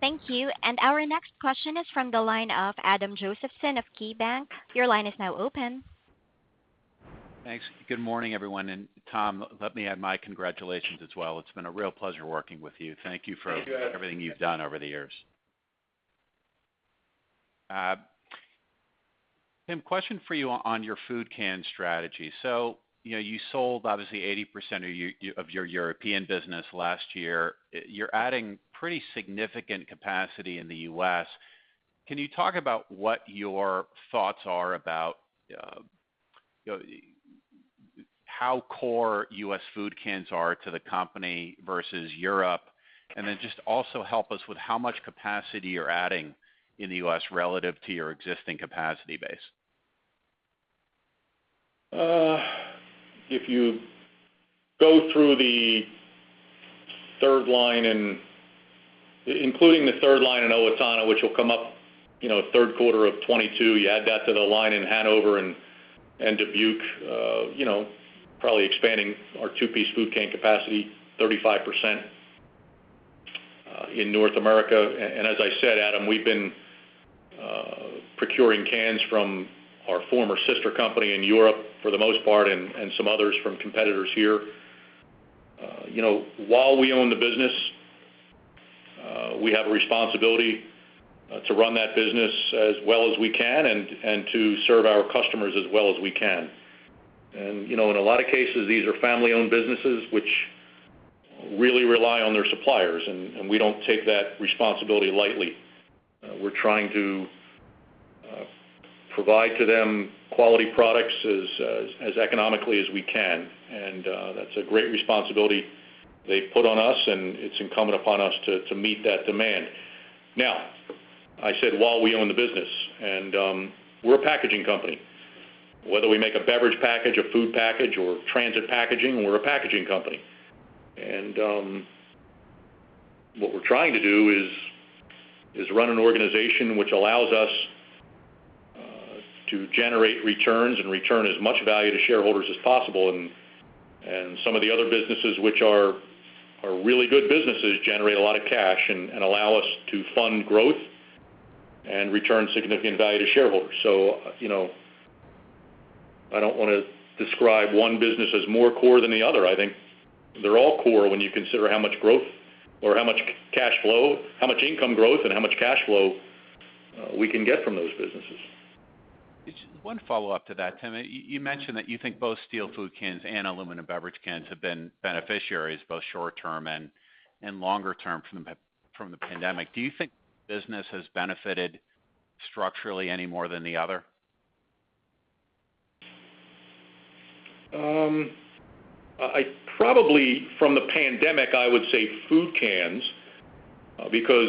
S1: Thank you. Our next question is from the line of Adam Josephson of KeyBanc. Your line is now open.
S16: Thanks. Good morning, everyone. Tom, let me add my congratulations as well. It's been a real pleasure working with you.
S4: You too.
S16: Everything you've done over the years. You know, you sold obviously 80% of your European business last year. You're adding pretty significant capacity in the U.S. Can you talk about what your thoughts are about, you know, how core U.S. food cans are to the company versus Europe? Just also help us with how much capacity you're adding in the U.S. relative to your existing capacity base.
S3: If you go through the third line and including the third line in Owatonna, which will come up, you know, third quarter of 2022, you add that to the line in Hanover and Dubuque, you know, probably expanding our two-piece food can capacity 35% in North America. And as I said, Adam, we've been procuring cans from our former sister company in Europe for the most part, and some others from competitors here. You know, while we own the business, we have a responsibility to run that business as well as we can and to serve our customers as well as we can. You know, in a lot of cases, these are family-owned businesses which really rely on their suppliers, and we don't take that responsibility lightly. We're trying to provide to them quality products as economically as we can. That's a great responsibility they put on us, and it's incumbent upon us to meet that demand. Now, I said, while we own the business, we're a packaging company, whether we make a beverage package, a food package or Transit Packaging, we're a packaging company. What we're trying to do is run an organization which allows us to generate returns and return as much value to shareholders as possible. Some of the other businesses which are really good businesses generate a lot of cash and allow us to fund growth and return significant value to shareholders. You know, I don't wanna describe one business as more core than the other. I think they're all core when you consider how much growth or how much cash flow, how much income growth, and how much cash flow we can get from those businesses.
S16: Just one follow-up to that, Tim. You mentioned that you think both steel food cans and aluminum beverage cans have been beneficiaries, both short-term and longer term from the pandemic. Do you think business has benefited structurally any more than the other?
S3: Probably from the pandemic, I would say food cans because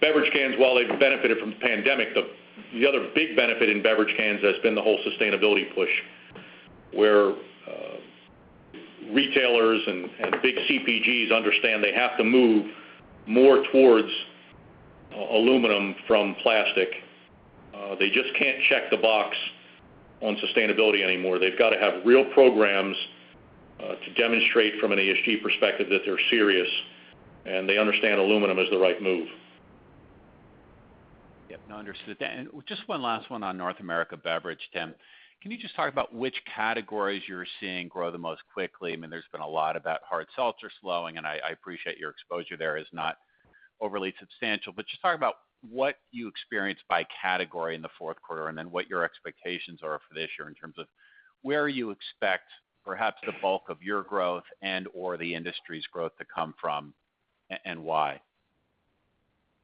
S3: beverage cans, while they've benefited from the pandemic, the other big benefit in beverage cans has been the whole sustainability push, where retailers and big CPGs understand they have to move more towards aluminum from plastic. They just can't check the box on sustainability anymore. They've got to have real programs to demonstrate from an ESG perspective that they're serious, and they understand aluminum is the right move.
S16: Yep, no, understood. Just one last one on North America beverage, Tim. Can you just talk about which categories you're seeing grow the most quickly? I mean, there's been a lot about hard seltzers slowing, and I appreciate your exposure there is not overly substantial. But just talk about what you experienced by category in the fourth quarter, and then what your expectations are for this year in terms of where you expect perhaps the bulk of your growth and/or the industry's growth to come from and why.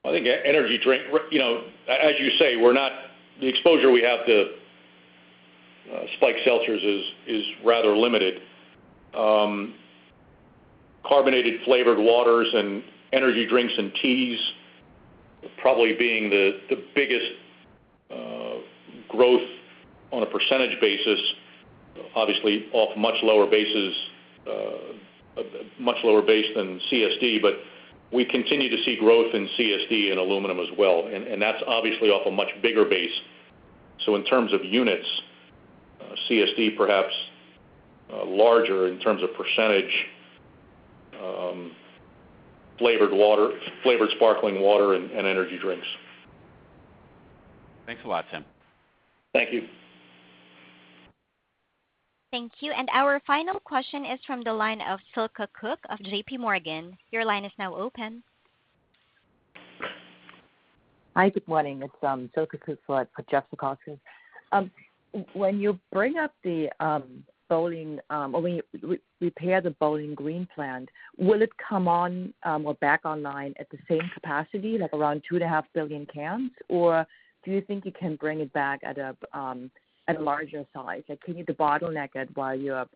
S3: I think energy drink. You know, as you say, the exposure we have to spiked seltzers is rather limited. Carbonated flavored waters and energy drinks and teas probably being the biggest growth on a percentage basis, obviously off much lower bases than CSD, but we continue to see growth in CSD and aluminum as well. That's obviously off a much bigger base. In terms of units, CSD perhaps larger in terms of percentage, flavored water, flavored sparkling water and energy drinks.
S16: Thanks a lot, Tim.
S3: Thank you.
S1: Thank you. Our final question is from the line of Silke Kueck of JPMorgan. Your line is now open.
S17: Hi, good morning. It's Silke Kueck for JPMorgan. When you repair the Bowling Green plant, will it come back online at the same capacity, like around 2.5 billion cans? Or do you think you can bring it back at a larger size? Like, can you bottleneck it while you're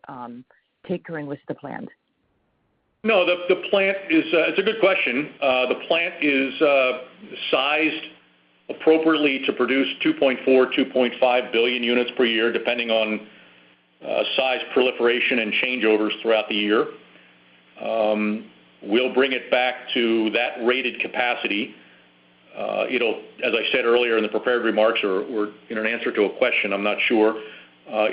S17: tinkering with the plant?
S3: No, the plant is. It's a good question. The plant is sized appropriately to produce 2.4 billion-2.5 billion units per year, depending on size proliferation and changeovers throughout the year. We'll bring it back to that rated capacity. As I said earlier in the prepared remarks or in an answer to a question, I'm not sure,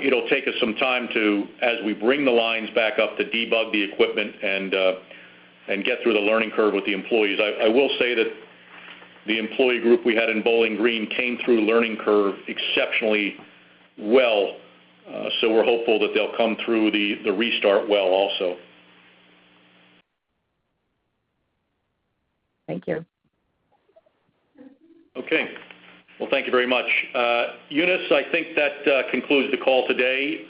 S3: it'll take us some time to, as we bring the lines back up, to debug the equipment and get through the learning curve with the employees. I will say that the employee group we had in Bowling Green came through learning curve exceptionally well, so we're hopeful that they'll come through the restart well also.
S17: Thank you.
S3: Okay. Well, thank you very much. Eunice, I think that concludes the call today.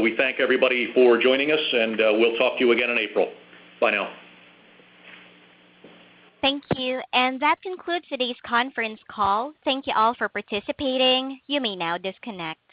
S3: We thank everybody for joining us, and we'll talk to you again in April. Bye now.
S1: Thank you. That concludes today's conference call. Thank you all for participating. You may now disconnect.